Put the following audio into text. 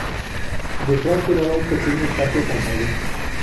Detrás quedaba un pequeño patio con jardín.